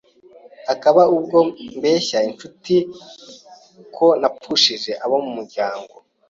hakaba ubwo mbeshya inshuti ko napfushije abo mu muryango